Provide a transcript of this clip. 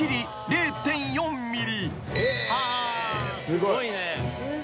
すごいね。